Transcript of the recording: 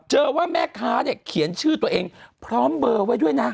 ว่าแม่ค้าเนี่ยเขียนชื่อตัวเองพร้อมเบอร์ไว้ด้วยนะ